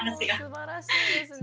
すばらしいですね。